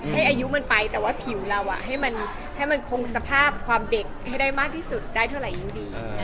ให้อายุมันไปแต่ว่าผิวเราให้มันคงสภาพความเด็กให้ได้มากที่สุดได้เท่าไหร่ยิ่งดี